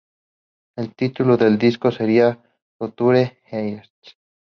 El título del disco sería "Future Hearts".